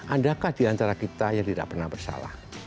adakah diantara kita yang tidak pernah bersalah